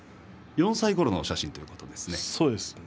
４歳ごろのお写真ということですね。